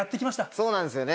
そうなんですよね。